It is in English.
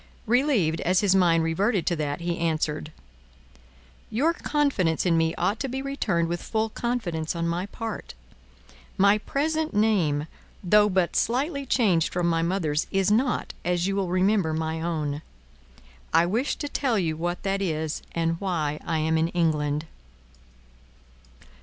Relieved as his mind reverted to that, he answered: "Your confidence in me ought to be returned with full confidence on my part. My present name, though but slightly changed from my mother's, is not, as you will remember, my own. I wish to tell you what that is, and why I am in England."